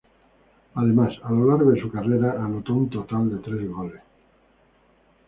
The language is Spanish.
Además, a lo largo de su carrera, anotó un total de tres goles.